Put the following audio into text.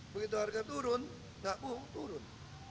begitu harga turun nggak buh turun